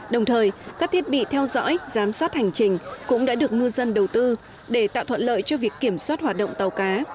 đồng thời các thiết bị theo dõi giám sát hành trình cũng đã được ngư dân đầu tư để tạo thuận lợi cho việc kiểm soát hoạt động tàu cá